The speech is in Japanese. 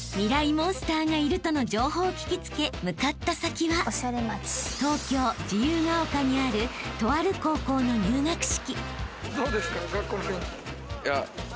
モンスターがいるとの情報を聞きつけ向かった先は東京自由が丘にあるとある高校の入学式］